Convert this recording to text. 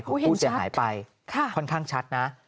ผู้เสียหายไปค่อนข้างชัดนะ